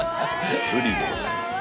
るりでございます。